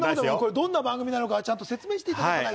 どんな番組なのか説明してください。